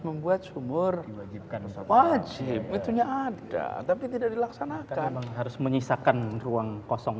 membuat sumur diwajibkan wajib itunya ada tapi tidak dilaksanakan harus menyisakan ruang kosong